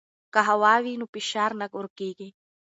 که هوا وي نو فشار نه ورکېږي.